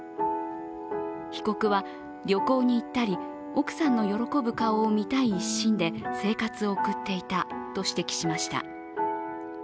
被告は旅行に行ったり奥さんの喜ぶ顔を見たい一心で生活を送っていたと指摘しました。